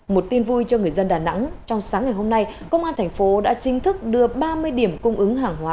một tin vui cho người dân đà nẵng trong sáng ngày hôm nay công an thành phố đã chính thức đưa ba mươi điểm cung ứng hàng hóa